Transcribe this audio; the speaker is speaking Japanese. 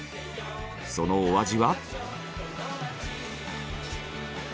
そのお味は。